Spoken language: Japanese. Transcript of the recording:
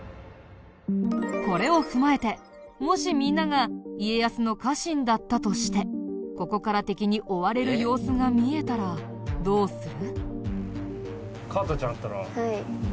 これを踏まえてもしみんなが家康の家臣だったとしてここから敵に追われる様子が見えたらどうする？